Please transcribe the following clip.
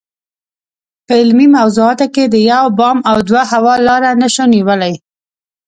په علمي موضوعاتو کې د یو بام او دوه هوا لاره نشو نیولای.